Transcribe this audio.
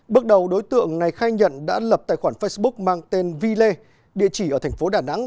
bước đầu đối tượng này khai nhận đã lập tài khoản facebook mang tên vi lê địa chỉ ở thành phố đà nẵng